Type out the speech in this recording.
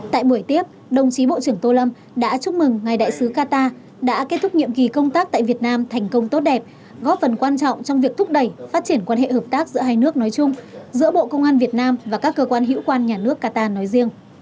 tại buổi tiếp đồng chí bộ trưởng tô lâm đã chúc mừng ngài đại sứ qatar đã kết thúc nhiệm kỳ công tác tại việt nam thành công tốt đẹp góp phần quan trọng trong việc thúc đẩy phát triển quan hệ hợp tác giữa hai nước nói chung giữa bộ công an việt nam và các cơ quan hữu quan nhà nước qatar nói riêng